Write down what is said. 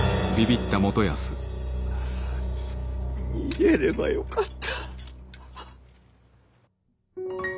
逃げればよかった。